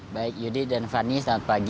baik yudi dan fani selamat pagi